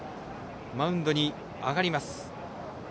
マウンドに上がります。